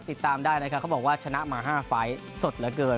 ติดตามได้นะครับเขาบอกว่าชนะมา๕ไฟล์สดเหลือเกิน